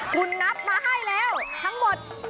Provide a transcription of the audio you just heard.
คุณนับมาให้แล้วทั้งหมด